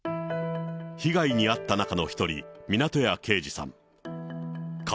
被害に遭った中の１人、湊屋啓二さん。